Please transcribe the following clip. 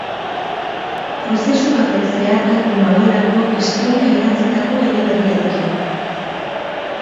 Prozesu batek zeharkatu nauelako estreina idatzitako eleberriarekin.